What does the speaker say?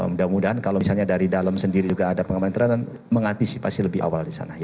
mudah mudahan kalau misalnya dari dalam sendiri juga ada pengamanan mengantisipasi lebih awal di sana